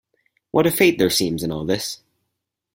What a fate there seems in all this!